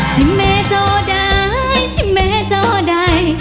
ชิเมเจ้าใดชิเมเจ้าใด